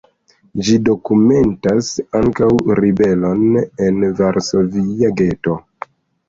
Ĝi dokumentas ankaŭ ribelon en varsovia geto.